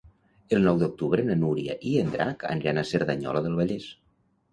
El nou d'octubre na Núria i en Drac aniran a Cerdanyola del Vallès.